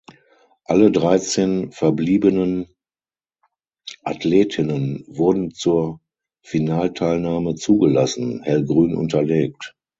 Alle dreizehn verbliebenen Athletinnen wurden zur Finalteilnahme zugelassen (hellgrün unterlegt).